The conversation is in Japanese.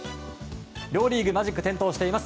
両リーグマジック点灯しています。